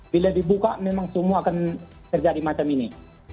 bila dibuka memang semua akan terjadi macam ini